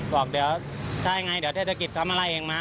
บอกเดี๋ยวใช่ไงเดี๋ยวเทศกิจทำอะไรเองมา